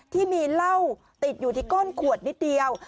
ที่มีเหล้าติดอยู่ที่ก้นขวดนิดเดียว